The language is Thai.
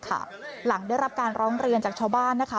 หลังได้รับการร้องเรียนจากชาวบ้านนะคะ